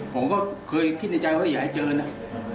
ผมก็เคยคิดในใจว่าอยากให้เจอนะ